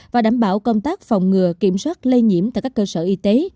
và đảm bảo công tác phòng ngừa kiểm soát lây nhiễm tại các cơ sở y tế